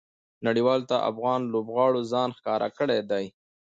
نړۍوالو ته افغان لوبغاړو ځان ښکاره کړى دئ.